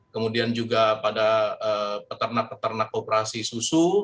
kemudian juga pada peternak peternak operasi susu